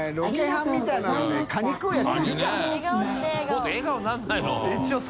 もっと笑顔にならないの？